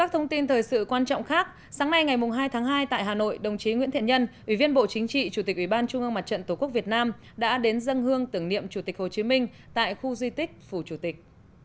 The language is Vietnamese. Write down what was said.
thông tin thời sự quan trọng khác sáng nay ngày hai tháng hai tại hà nội đồng chí nguyễn thiện nhân ủy viên bộ chính trị chủ tịch ủy ban trung ương mặt trận tổ quốc việt nam đã đến dân hương tưởng niệm chủ tịch hồ chí minh tại khu di tích phủ chủ tịch